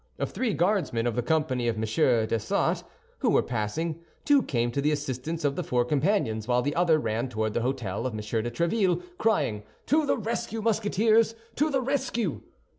Of three Guardsmen of the company of M. Dessessart who were passing, two came to the assistance of the four companions, while the other ran toward the hôtel of M. de Tréville, crying, "To the rescue, Musketeers! To the rescue!"